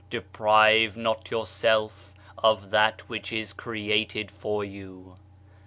... Deprive not yourself of that which is created for you."